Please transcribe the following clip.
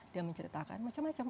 dia menceritakan macam macam